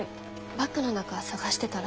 バッグの中探してたら。